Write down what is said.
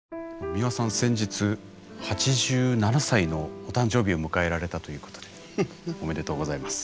美輪さん先日８７歳のお誕生日を迎えられたということでおめでとうございます。